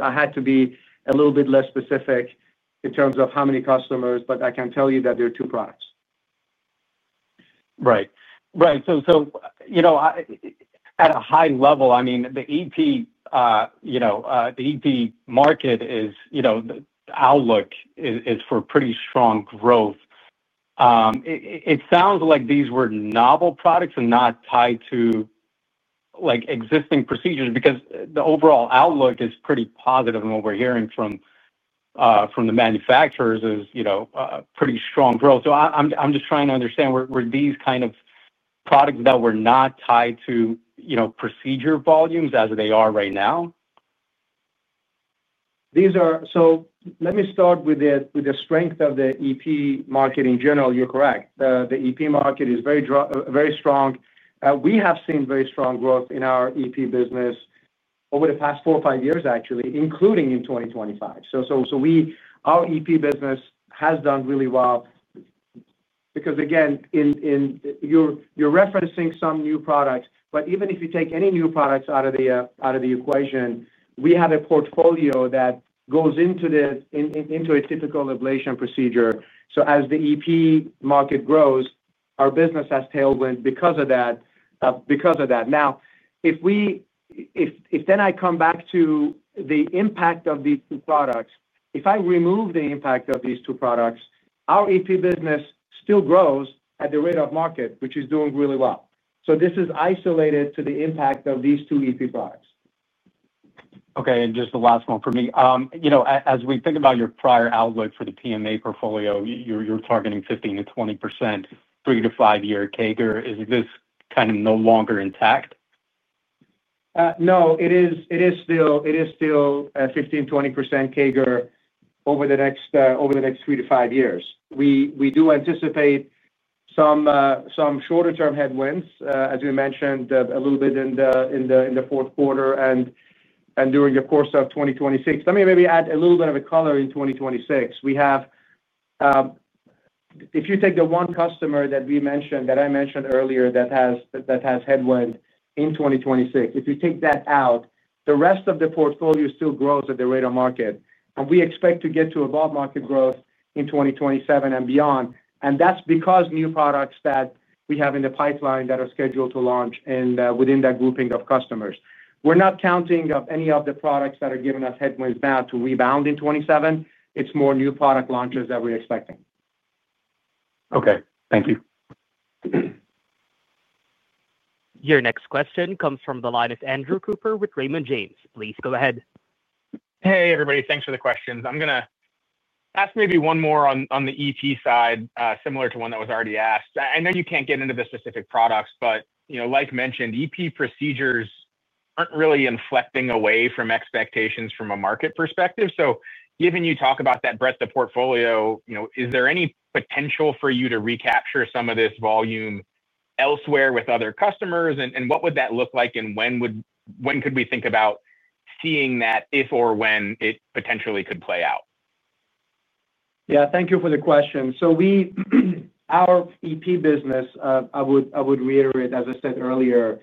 I had to be a little bit less specific in terms of how many customers, but I can tell you that they're two products. Right. At a high level, the EP market outlook is for pretty strong growth. It sounds like these were novel products and not tied to existing procedures because the overall outlook is pretty positive. What we're hearing from the manufacturers is pretty strong growth. I'm just trying to understand, were these kind of products that were not tied to procedure volumes as they are right now? These are. Let me start with the strength of the EP market in general. You're correct. The EP market is very, very strong. We have seen very strong growth in our EP business over the past four or five years, actually, including in 2025. Our EP business has done really well because, again, you're referencing some new products, but even if you take any new products out of the equation, we have a portfolio that goes into a typical ablation procedure. As the EP market grows, our business has tailwind because of that. Now, if I come back to the impact of these two products, if I remove the impact of these two products, our EP business still grows at the rate of market, which is doing really well. This is isolated to the impact of these two EP products. Okay. Just the last one for me. As we think about your prior outlook for the PMA portfolio, you're targeting 15%-20% three to five-year CAGR. Is this kind of no longer intact? No, it is still a 15-20% CAGR over the next three to five years. We do anticipate some shorter-term headwinds, as we mentioned a little bit in the fourth quarter and during the course of 2026. Let me maybe add a little bit of color in 2026. If you take the one customer that I mentioned earlier that has headwind in 2026, if you take that out, the rest of the portfolio still grows at the rate of market. We expect to get to above market growth in 2027 and beyond. That's because new products that we have in the pipeline are scheduled to launch within that grouping of customers. We're not counting any of the products that are giving us headwinds now to rebound in 2027. It's more new product launches that we're expecting. Okay, thank you. Your next question comes from the line of Andrew Cooper with Raymond James. Please go ahead. Hey, everybody. Thanks for the questions. I'm going to ask maybe one more on the EP side, similar to one that was already asked. I know you can't get into the specific products, but like mentioned, EP procedures aren't really inflecting away from expectations from a market perspective. Given you talk about that breadth of portfolio, is there any potential for you to recapture some of this volume elsewhere with other customers? What would that look like, and when could we think about seeing that if or when it potentially could play out? Yeah, thank you for the question. Our electrophysiology business, I would reiterate, as I said earlier,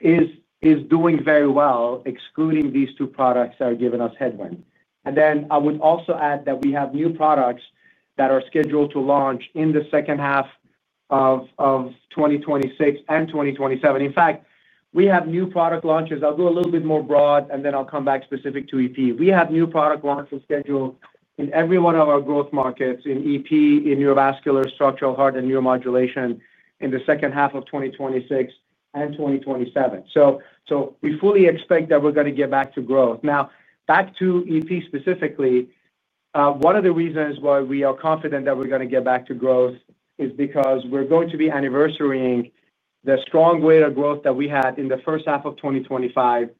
is doing very well, excluding these two products that are giving us headwind. I would also add that we have new products that are scheduled to launch in the second half of 2026 and 2027. In fact, we have new product launches. I'll go a little bit more broad, and then I'll come back specific to electrophysiology. We have new product launches scheduled in every one of our growth markets in electrophysiology, neurovascular, structural heart, and neuromodulation in the second half of 2026 and 2027. We fully expect that we're going to get back to growth. Now, back to electrophysiology specifically, one of the reasons why we are confident that we're going to get back to growth is because we're going to be anniversarying the strong rate of growth that we had in the first half of 2025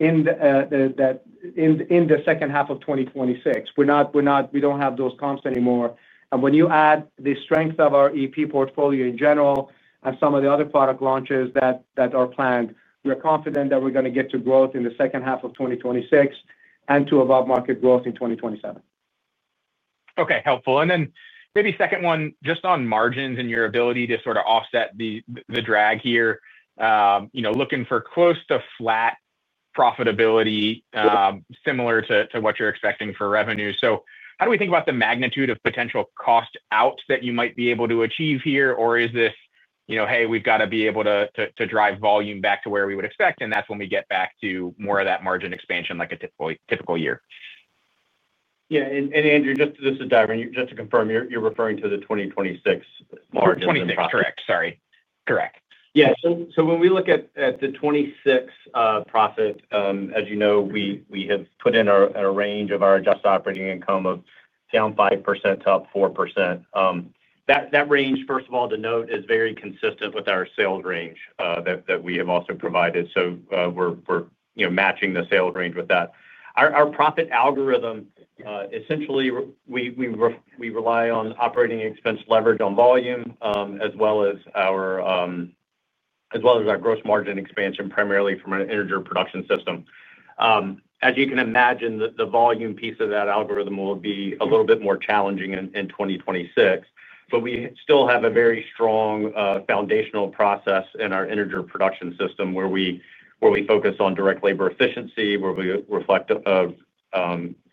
in the second half of 2026. We're not, we don't have those comps anymore. When you add the strength of our electrophysiology portfolio in general and some of the other product launches that are planned, we are confident that we're going to get to growth in the second half of 2026 and to above market growth in 2027. Okay, helpful. Maybe second one, just on margins and your ability to sort of offset the drag here, looking for close to flat profitability, similar to what you're expecting for revenue. How do we think about the magnitude of potential cost outs that you might be able to achieve here? Is this, you know, we've got to be able to drive volume back to where we would expect, and that's when we get back to more of that margin expansion like a typical year? Yeah, Andrew, just to confirm, you're referring to the 2026 margin profit? 2026, correct. Sorry. Correct. Yeah. When we look at the 2026 profit, as you know, we have put in a range of our adjusted operating income of down 5% to up 4%. That range, first of all, to note, is very consistent with our sales range that we have also provided. We are matching the sales range with that. Our profit algorithm, essentially, we rely on operating expense leverage on volume, as well as our gross margin expansion, primarily from an Integer production system. As you can imagine, the volume piece of that algorithm will be a little bit more challenging in 2026. We still have a very strong foundational process in our Integer production system where we focus on direct labor efficiency, where we reflect a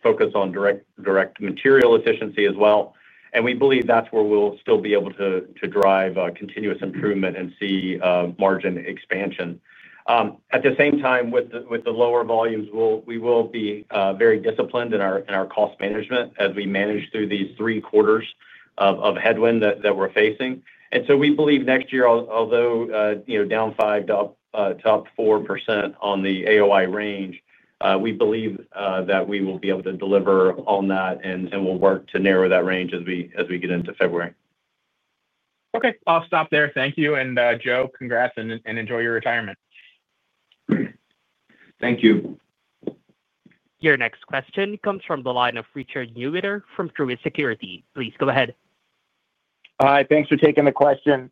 focus on direct material efficiency as well. We believe that's where we'll still be able to drive continuous improvement and see margin expansion. At the same time, with the lower volumes, we will be very disciplined in our cost management as we manage through these three quarters of headwind that we are facing. We believe next year, although down 5% to up 4% on the adjusted operating income range, we believe that we will be able to deliver on that and we'll work to narrow that range as we get into February. Okay. I'll stop there. Thank you. And Joe, congrats and enjoy your retirement. Thank you. Your next question comes from the line of Richard Newitter from Truist Securities. Please go ahead. Hi. Thanks for taking the question.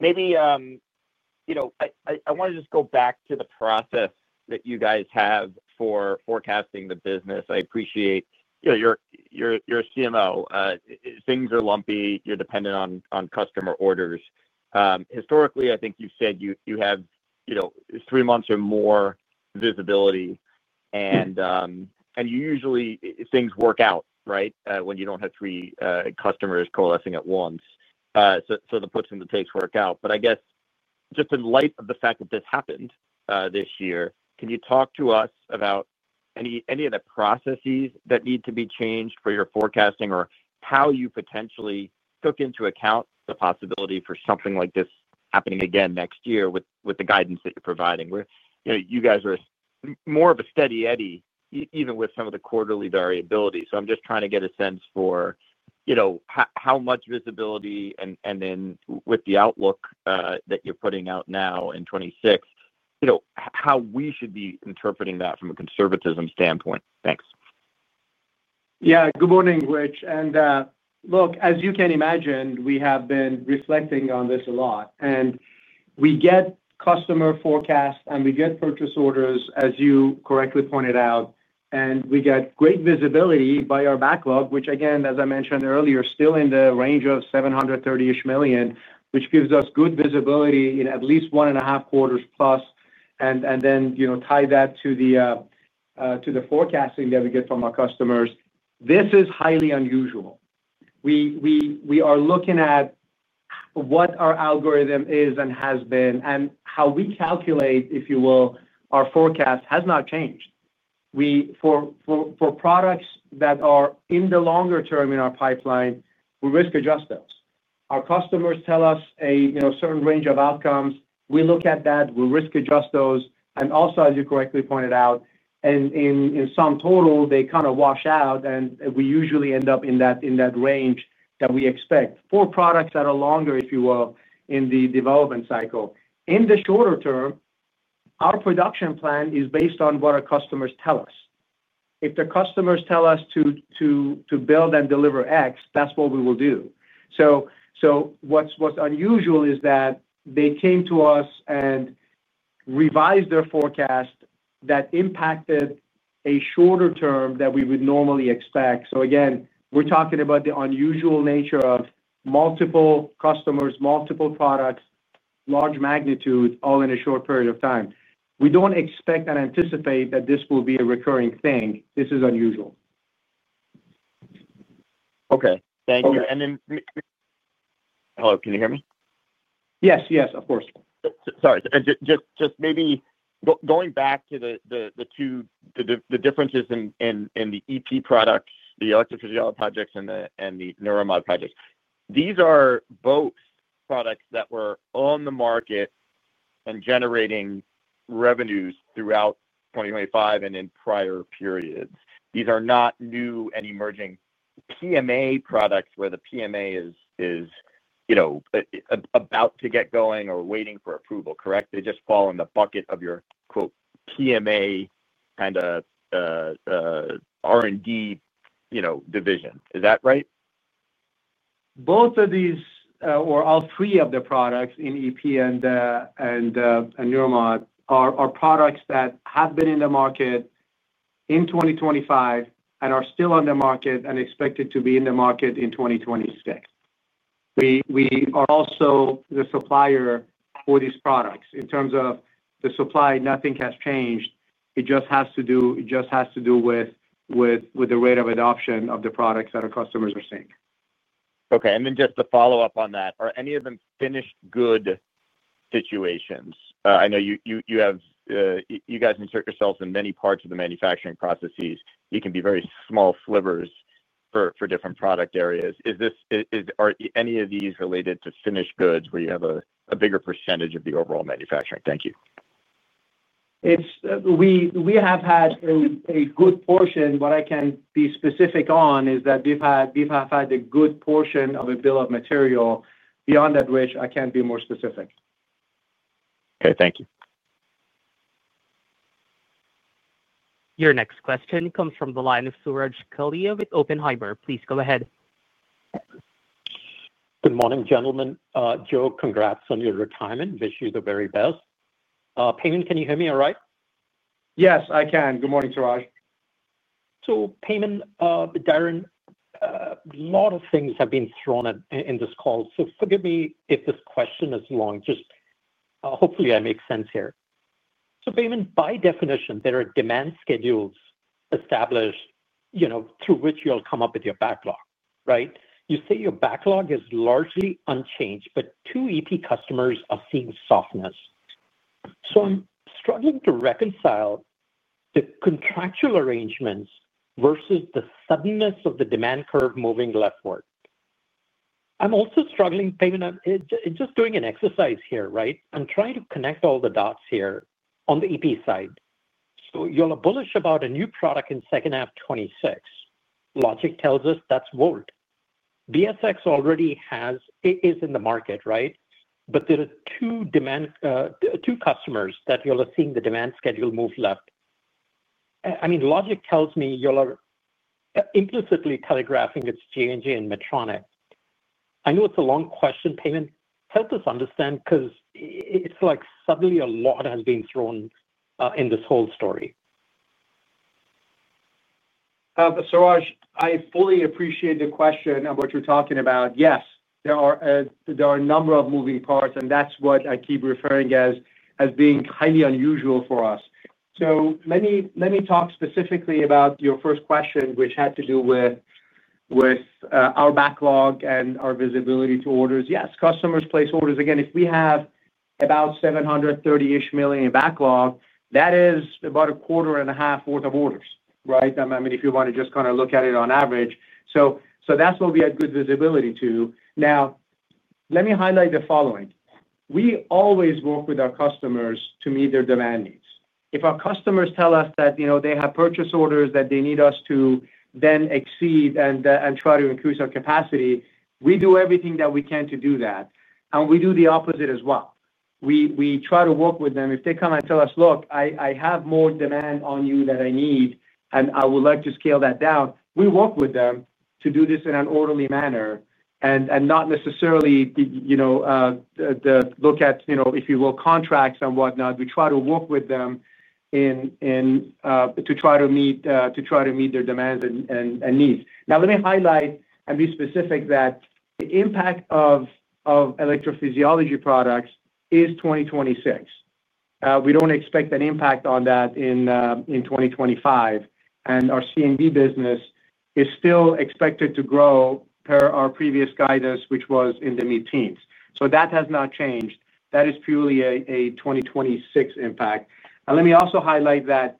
Maybe, you know, I want to just go back to the process that you guys have for forecasting the business. I appreciate, you know, your CMO. Things are lumpy. You're dependent on customer orders. Historically, I think you've said you have, you know, three months or more visibility. You usually, things work out, right, when you don't have three customers coalescing at once. The puts and the takes work out. I guess just in light of the fact that this happened this year, can you talk to us about any of the processes that need to be changed for your forecasting or how you potentially took into account the possibility for something like this happening again next year with the guidance that you're providing? Where you guys are more of a steady eddy, even with some of the quarterly variability. I'm just trying to get a sense for how much visibility and then with the outlook that you're putting out now in 2026, how we should be interpreting that from a conservatism standpoint. Thanks. Yeah. Good morning, Rich. As you can imagine, we have been reflecting on this a lot. We get customer forecasts and we get purchase orders, as you correctly pointed out. We get great visibility by our backlog, which, again, as I mentioned earlier, is still in the range of $730 million, which gives us good visibility in at least one and a half quarters plus. Then, you know, tie that to the forecasting that we get from our customers. This is highly unusual. We are looking at what our algorithm is and has been, and how we calculate, if you will, our forecast has not changed. For products that are in the longer term in our pipeline, we risk adjust those. Our customers tell us a certain range of outcomes. We look at that, we risk adjust those. Also, as you correctly pointed out, in sum total, they kind of wash out, and we usually end up in that range that we expect for products that are longer, if you will, in the development cycle. In the shorter term, our production plan is based on what our customers tell us. If the customers tell us to build and deliver X, that's what we will do. What's unusual is that they came to us and revised their forecast that impacted a shorter term than we would normally expect. Again, we're talking about the unusual nature of multiple customers, multiple products, large magnitude, all in a short period of time. We don't expect and anticipate that this will be a recurring thing. This is unusual. Okay. Thank you. Hello, can you hear me? Yes, yes, of course. Sorry. Maybe going back to the two differences in the EP products, the electrophysiology projects, and the neuromod projects. These are both products that were on the market and generating revenues throughout 2025 and in prior periods. These are not new and emerging PMA products where the PMA is, you know, about to get going or waiting for approval, correct? They just fall in the bucket of your, quote, "PMA kind of R&D, you know, division." Is that right? All three of the products in electrophysiology and neuromodulation are products that have been in the market in 2025 and are still on the market and expected to be in the market in 2026. We are also the supplier for these products. In terms of the supply, nothing has changed. It just has to do with the rate of adoption of the products that our customers are seeing. Okay. Just to follow up on that, are any of them finished good situations? I know you have you guys insert yourselves in many parts of the manufacturing processes. It can be very small slivers for different product areas. Are any of these related to finished goods where you have a bigger percentage of the overall manufacturing? Thank you. We have had a good portion. What I can be specific on is that we've had a good portion of a bill of material beyond that, which I can't be more specific. Okay, thank you. Your next question comes from the line of Suraj Kalia with Oppenheimer. Please go ahead. Good morning, gentlemen. Joe, congrats on your retirement. Wish you the very best. Payman, can you hear me all right? Yes, I can. Good morning, Suraj. Payman, Diron, a lot of things have been thrown in this call. Forgive me if this question is long. Hopefully, I make sense here. Payman, by definition, there are demand schedules established through which you'll come up with your backlog, right? You say your backlog is largely unchanged, but two electrophysiology customers are seeing softness. I'm struggling to reconcile the contractual arrangements versus the suddenness of the demand curve moving leftward. I'm also struggling, Payman, I'm just doing an exercise here, right? I'm trying to connect all the dots here on the electrophysiology side. You're bullish about a new product in the second half of 2026. Logic tells us that's Volt. Boston Scientific already has it in the market, right? There are two customers where you're seeing the demand schedule move left. Logic tells me you're implicitly telegraphing with Johnson & Johnson and Medtronic. I know it's a long question, Payman. Help us understand because it's like suddenly a lot has been thrown in this whole story. Suraj, I fully appreciate the question and what you're talking about. Yes, there are a number of moving parts, and that's what I keep referring to as being highly unusual for us. Let me talk specifically about your first question, which had to do with our backlog and our visibility to orders. Yes, customers place orders. If we have about $730 million in backlog, that is about a quarter and a half worth of orders, right? I mean, if you want to just kind of look at it on average. That's what we had good visibility to. Now, let me highlight the following. We always work with our customers to meet their demand needs. If our customers tell us that they have purchase orders that they need us to then exceed and try to increase our capacity, we do everything that we can to do that. We do the opposite as well. We try to work with them. If they come and tell us, "Look, I have more demand on you than I need, and I would like to scale that down," we work with them to do this in an orderly manner and not necessarily look at, you know, contracts and whatnot. We try to work with them to try to meet their demands and needs. Let me highlight and be specific that the impact of electrophysiology products is 2026. We don't expect an impact on that in 2025. Our CMD business is still expected to grow per our previous guidance, which was in the mid-teens. That has not changed. That is purely a 2026 impact. Let me also highlight that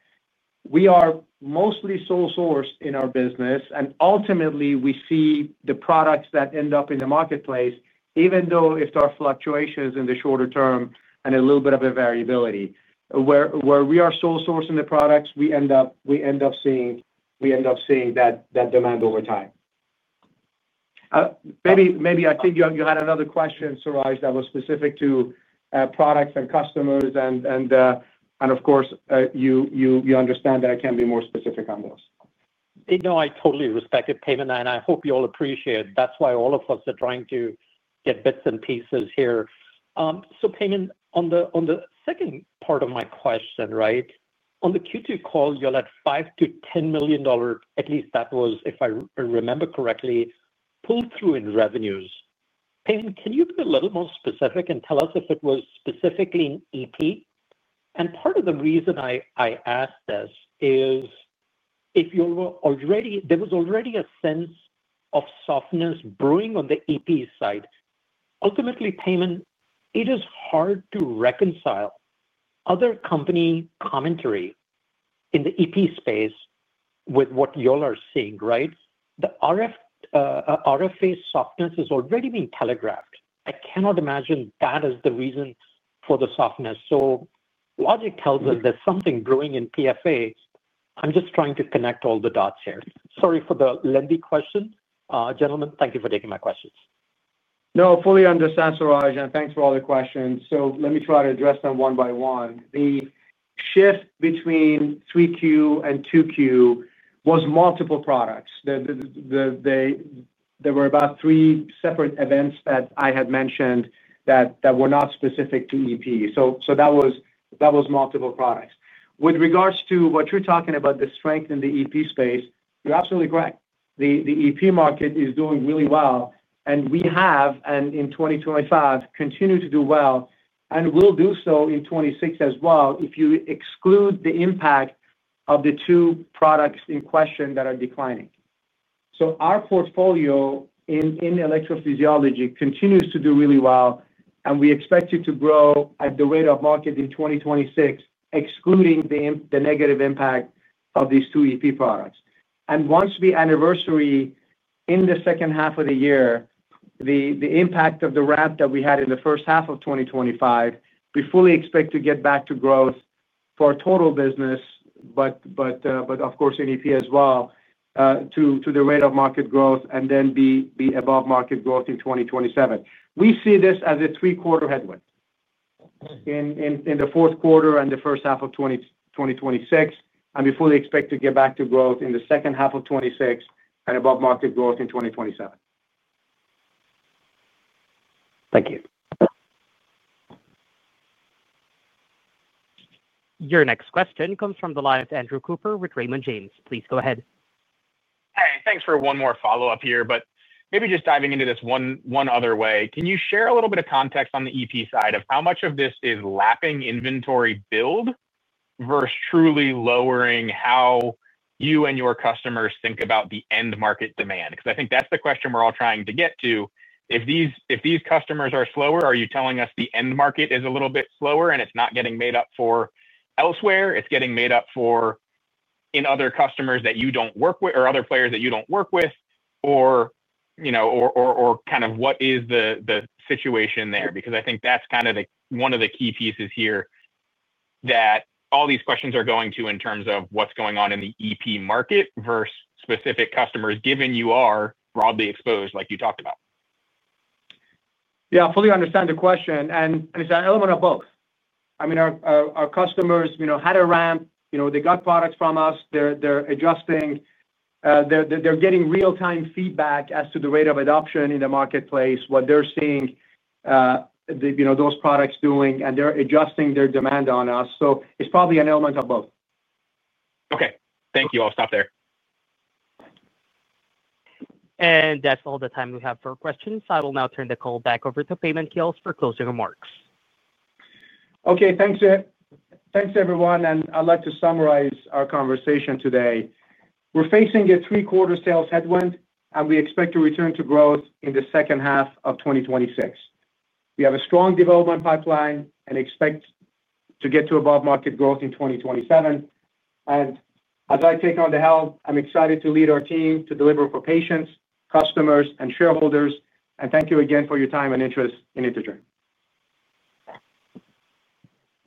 we are mostly sole-sourced in our business, and ultimately, we see the products that end up in the marketplace, even though there are fluctuations in the shorter term and a little bit of variability. Where we are sole-sourcing the products, we end up seeing that demand over time. Maybe I think you had another question, Suraj, that was specific to products and customers. Of course, you understand that I can be more specific on those. No, I totally respect it, Payman, and I hope you all appreciate it. That's why all of us are trying to get bits and pieces here. Payman, on the second part of my question, on the Q2 call, you're at $5 million-$10 million, at least that was, if I remember correctly, pull-through in revenues. Payman, can you be a little more specific and tell us if it was specifically in EP? Part of the reason I asked this is if you were already there was already a sense of softness brewing on the EP side. Ultimately, Payman, it is hard to reconcile other company commentary in the EP space with what you all are seeing, right? The RFA softness has already been telegraphed. I cannot imagine that is the reason for the softness. Logic tells us there's something brewing in PFA. I'm just trying to connect all the dots here. Sorry for the lengthy question. Gentlemen, thank you for taking my questions. No, fully understand, Suraj, and thanks for all the questions. Let me try to address them one by one. The shift between 3Q and 2Q was multiple products. There were about three separate events that I had mentioned that were not specific to EP. That was multiple products. With regards to what you're talking about, the strength in the EP space, you're absolutely correct. The EP market is doing really well. We have, and in 2025, continue to do well. We'll do so in 2026 as well if you exclude the impact of the two products in question that are declining. Our portfolio in electrophysiology continues to do really well. We expect it to grow at the rate of market in 2026, excluding the negative impact of these two EP products. Once we anniversary in the second half of the year, the impact of the ramp that we had in the first half of 2025, we fully expect to get back to growth for our total business, of course in EP as well, to the rate of market growth and then be above market growth in 2027. We see this as a three-quarter headwind in the fourth quarter and the first half of 2026. We fully expect to get back to growth in the second half of 2026 and above market growth in 2027. Thank you. Your next question comes from the line of Andrew Cooper with Raymond James. Please go ahead. Hey, thanks for one more follow-up here. Maybe just diving into this one another way. Can you share a little bit of context on the electrophysiology side of how much of this is lapping inventory build versus truly lowering how you and your customers think about the end market demand? I think that's the question we're all trying to get to. If these customers are slower, are you telling us the end market is a little bit slower and it's not getting made up for elsewhere? Is it getting made up for in other customers that you don't work with or other players that you don't work with? Or, you know, what is the situation there? I think that's one of the key pieces here that all these questions are going to in terms of what's going on in the electrophysiology market versus specific customers, given you are broadly exposed like you talked about. Yeah, I fully understand the question. It's an element of both. I mean, our customers had a ramp. They got products from us. They're adjusting. They're getting real-time feedback as to the rate of adoption in the marketplace, what they're seeing those products doing, and they're adjusting their demand on us. It's probably an element of both. Okay, thank you. I'll stop there. That's all the time we have for questions. I will now turn the call back over to Payman Khales for closing remarks. Thank you, everyone. I'd like to summarize our conversation today. We're facing a three-quarter sales headwind, and we expect to return to growth in the second half of 2026. We have a strong development pipeline and expect to get to above market growth in 2027. As I take on the helm, I'm excited to lead our team to deliver for patients, customers, and shareholders. Thank you again for your time and interest in Integer.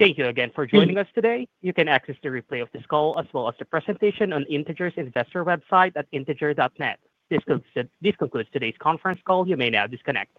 Thank you again for joining us today. You can access the replay of this call as well as the presentation on Integer's investor website at integer.net. This concludes today's conference call. You may now disconnect.